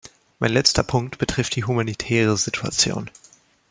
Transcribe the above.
Mein letzter Punkt betrifft die humanitäre Situation.